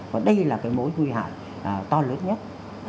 và đây là cái mối nguy hại to lớn nhất